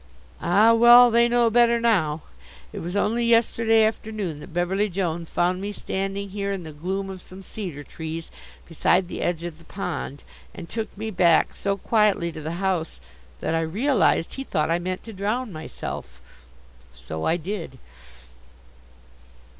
Ah, well! They know better now. It was only yesterday afternoon that Beverly Jones found me standing here in the gloom of some cedar trees beside the edge of the pond and took me back so quietly to the house that I realized he thought I meant to drown myself. So I did.